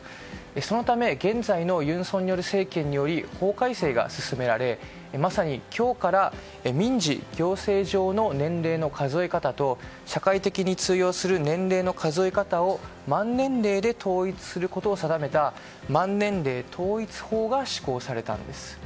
そのため現在の尹錫悦政権により法改正が進められまさに今日から民事・行政上の年齢の数え方と社会的に通用する年齢の数え方を満年齢で統一することを定めた満年齢統一法が施行されたんです。